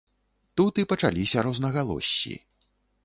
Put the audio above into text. Тут і пачаліся рознагалоссі.